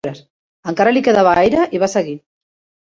Encara li quedava aire i va seguir.